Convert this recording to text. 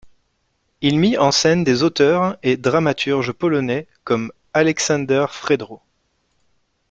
Il mit en scène des auteurs et dramaturge polonais comme Aleksander Fredro.